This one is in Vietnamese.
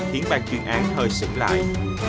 khiến ban chuyên án hơi sụn lại